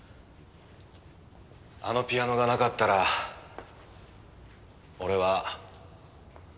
あのピアノがなかったら俺は。